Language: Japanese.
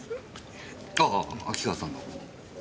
あぁ秋川さんの。